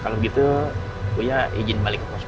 kalau gitu gue izin balik ke kosmik